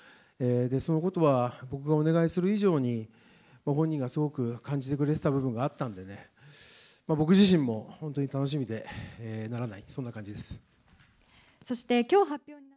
そのことは、僕がお願いする以上に、本人がすごく感じてくれてた部分があったんでね、僕自身も本当に楽しみでならない、そんな感じです。